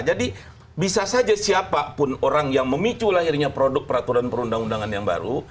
jadi bisa saja siapapun orang yang memicu lahirnya produk peraturan perundang undangan yang baru